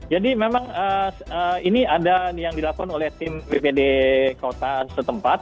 jadi memang ini ada yang dilakukan oleh tim bpd kota setempat